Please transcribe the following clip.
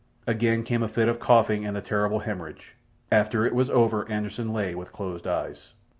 Again came a fit of coughing and the terrible haemorrhage. After it was over Anderssen lay with closed eyes.